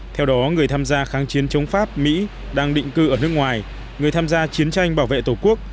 theo đó người tham gia kháng chiến chống pháp mỹ đang định cư ở nước ngoài người tham gia chiến tranh bảo vệ tổ quốc